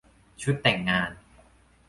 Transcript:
ชุดแต่งงาน